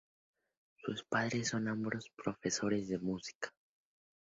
Sus padres son ambos profesores de música.